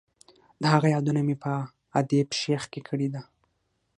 د هغه یادونه مې په ادیب شیخ کې کړې ده.